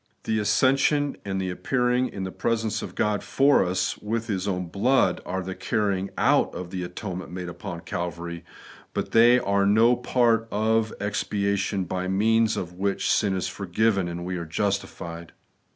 The ascension and the appearing in the presence of God for US with His own blood, are the carrying out of the atonement made upon Calvary ; but they are no part of the expiation by means of which sin is for given and we are justified.